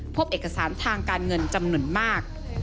พบเอกสารทางการเงินจำนวนมาก